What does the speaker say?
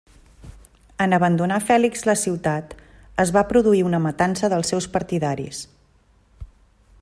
En abandonar Fèlix la ciutat es va produir una matança dels seus partidaris.